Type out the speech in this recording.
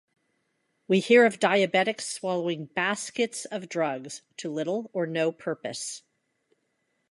We hear of diabetics swallowing baskets of drugs to little or no purpose.